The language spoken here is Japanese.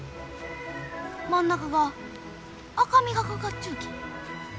真ん中が赤みがかかっちゅうき。